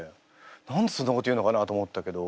何でそんなこと言うのかなと思ったけど。